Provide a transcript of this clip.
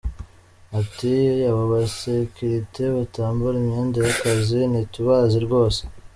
Ati “Abo basekirite batambara imyenda y’akazi ntitubazi rwose.